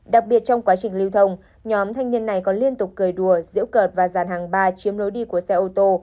đặc biệt trong quá trình lưu thông nhóm thanh niên này còn liên tục cười đùa diễu cợt và dàn hàng ba chiếm lối đi của xe ô tô